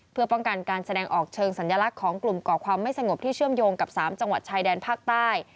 เพื่อป้องกันการแสดงออกเชิงสัญลักษณ์ของกลุ่มก่อความไม่สงบที่เชื่อมโยงกับ๓จังหวัดชายแดนภาคใต้